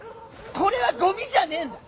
これはゴミじゃねえんだ！